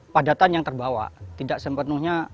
padatan yang terbawa tidak sepenuhnya